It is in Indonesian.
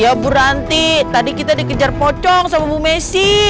iya bu ranti tadi kita dikejar pocong sama bu messi